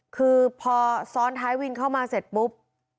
คือพอซ้อนท้ายวินเข้ามาเสร็จปุ๊บ